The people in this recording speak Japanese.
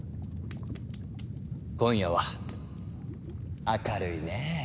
今夜は明るいね。